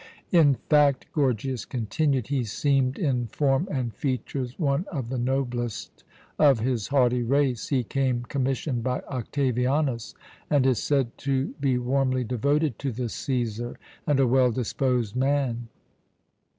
"In fact," Gorgias continued, "he seemed in form and features one of the noblest of his haughty race. He came commissioned by Octavianus, and is said to be warmly devoted to the Cæsar, and a well disposed man.